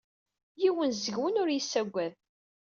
Yiwen seg-wen ur iyi-yessaggad.